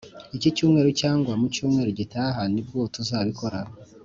iki cyumweru cyangwa mu cyumweru gitaha nibwo tuzabikora